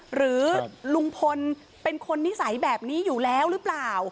หรือลุงพลเป็นคนนิสัยแบบนี้อยู่แล้วหรือเปล่า